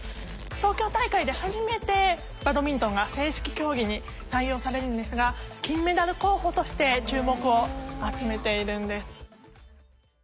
東京大会で初めてバドミントンが正式競技に採用されるんですが金メダル候補として注目を集めているんです。